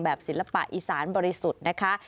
ศิลปะอีสานบริสุทธิ์นะคะ